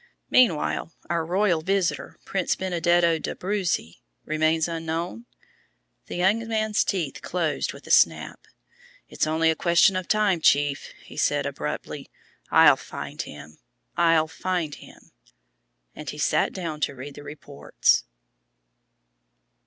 "Meanwhile our royal visitor, Prince Benedetto d'Abruzzi, remains unknown?" The young man's teeth closed with a snap. "It's only a question of time, Chief," he said abruptly. "I'll find him I'll find him!" And he sat down to read the reports.